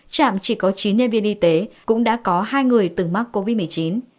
trạm chỉ có chín nhân viên y tế cũng đã có hai người từng mắc covid một mươi chín